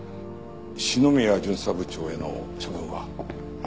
篠宮巡査部長への処分は？